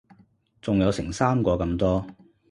仲有成三個咁多